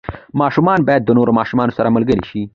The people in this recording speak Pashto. ماشوم باید د نورو ماشومانو سره ملګری شي.